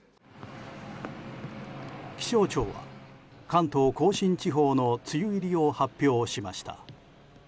気象庁は関東・甲信地方の梅雨入りを発表しました。